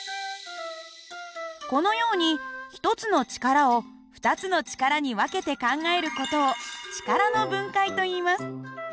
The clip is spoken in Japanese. このように１つの力を２つの力に分けて考える事を力の分解といいます。